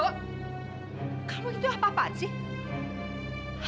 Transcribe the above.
kamu itu apa apa sih